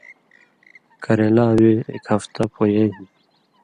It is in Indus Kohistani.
کرېلاں وے ایک ہفتہ پویَیں ہِن